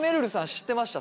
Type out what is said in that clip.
知ってました？